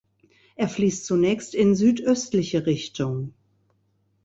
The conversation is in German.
Er fließt zunächst in südöstliche Richtung.